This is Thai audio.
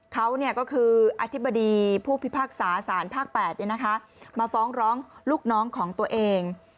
เขาก็คืออธิบดีผู้พิพากษาสารภาค๘มาฟ้องร้องลูกน้องของตัวเอง